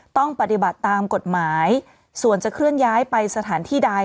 ต้องปฏิบัติตามกฎหมายส่วนจะเคลื่อนย้ายไปสถานที่ใด